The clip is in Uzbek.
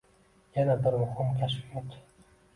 Yana bir muhim kashfiyot